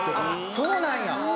そうなんや！